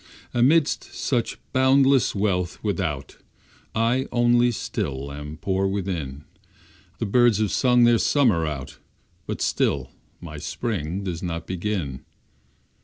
Amidst such boundless wealth without, I only still am poor within, The birds have sung their summer out, But still my spring does not begin.